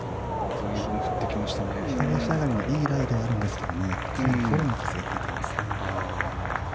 左足上がりのいいライではあるんですけどフォローの風が吹いていますね。